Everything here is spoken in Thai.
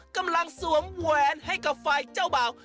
กำลังสวมแหวนให้กับฝ่ายเจ้าบ่าว